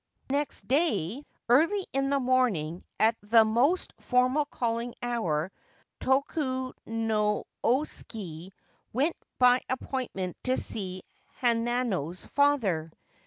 Next day, early in the morning, at the most formal calling hour, Tokunosuke went by appointment to see Hanano's father.